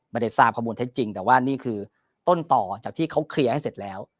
ไม่ได้ทราบข้อมูลเท็จจริงแต่ว่านี่คือต้นต่อจากที่เขาเคลียร์ให้เสร็จแล้ว